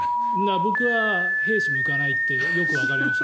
僕は兵士に向かないってよくわかりました。